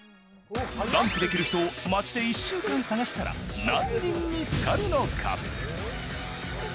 ダンクできる人を街で１週間探したら、何人見つかるのか。